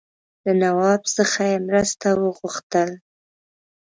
له نواب څخه یې مرسته وغوښتل.